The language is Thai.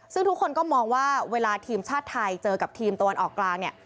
ซึ่งทุกคนก็มองว่าเวลาทีมชาติไทยเจอกับทีมตะวันออกกลางเนี่ย